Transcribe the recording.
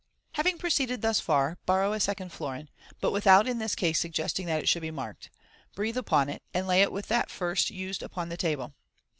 Having proceeded thus far, borrow a second florin, but without in this case suggesting that it should be marked, breathe upon it, and lay it with that first used upon the table.